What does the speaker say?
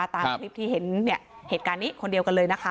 ตามคลิปที่เห็นเหตุการณ์นี้คนเดียวกันเลยนะคะ